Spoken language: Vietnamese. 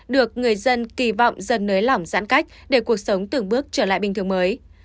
được người dân kỳ vọng dần nới lỏng giãn cách để cuộc sống từng bước trở lại bình thường mới